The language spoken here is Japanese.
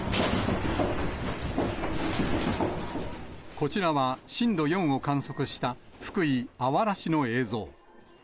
こちらは、震度４を観測した福井・あわら市の映像。